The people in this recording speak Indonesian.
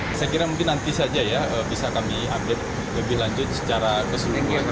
saya kira mungkin nanti saja ya bisa kami update lebih lanjut secara keseluruhan